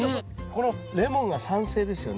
このレモンが酸性ですよね？